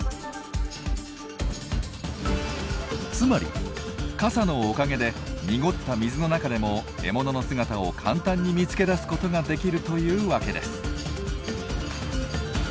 つまり傘のおかげで濁った水の中でも獲物の姿を簡単に見つけ出すことができるというわけです。